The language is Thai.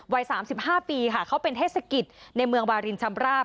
วัย๓๕ปีค่ะเขาเป็นเทศกิจในเมืองวารินชำราบ